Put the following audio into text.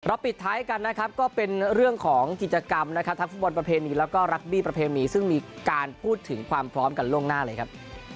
ปิดท้ายกันนะครับก็เป็นเรื่องของกิจกรรมนะครับทั้งฟุตบอลประเพณีแล้วก็รักบี้ประเพณีซึ่งมีการพูดถึงความพร้อมกันล่วงหน้าเลยครับ